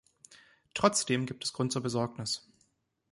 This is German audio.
Trotzdem gibt es Grund zur Besorgnis.